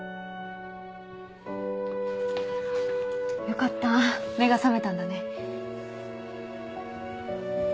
よかった目が覚めたんだね。